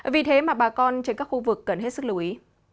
vì thế mà bà con trên các khu vực cần hết sức lưu ý